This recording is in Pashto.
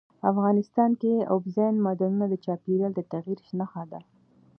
افغانستان کې اوبزین معدنونه د چاپېریال د تغیر نښه ده.